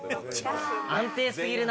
安定過ぎるな。